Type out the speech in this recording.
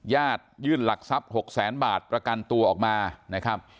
ยื่นหลักทรัพย์๖แสนบาทประกันตัวออกมานะครับ